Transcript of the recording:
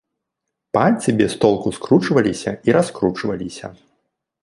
Пальцы без толку скручваліся і раскручваліся.